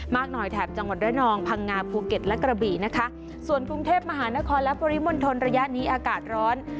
มากหน่อยแถบจังหวัดระนองพังงาภูเก็ตและกระบี่นะคะส่วนกรุงเทพมหานครและปริมณฑลระยะนี้อากาศร้อน